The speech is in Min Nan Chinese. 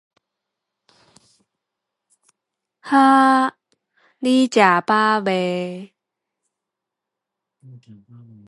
起家厝